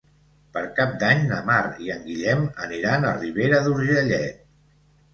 Per Cap d'Any na Mar i en Guillem aniran a Ribera d'Urgellet.